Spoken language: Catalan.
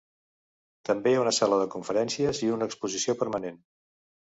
També hi ha una sala de conferències i una exposició permanent.